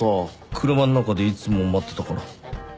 車の中でいつも待ってたから。